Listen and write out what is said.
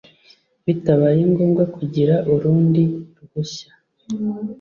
bitabaye ngombwa kugira urundi ruhushya